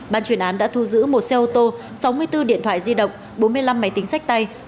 ban chuyên án đã thu giữ một xe ô tô sáu mươi bốn điện thoại di động bốn mươi năm máy tính sách tay